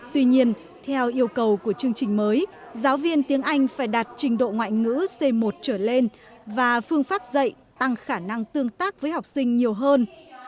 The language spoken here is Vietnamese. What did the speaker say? tuy nhiên theo yêu cầu của chương trình mới giáo viên tiếng anh phải đạt trình độ ngoại ngữ c một trở lên và phương pháp dạy tăng khả năng tương tác với học sinh nhiều hơn